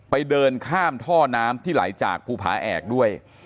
เดินข้ามท่อน้ำที่ไหลจากภูผาแอกด้วย